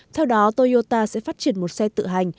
theo đó toyota sẽ phát triển một xe tự hành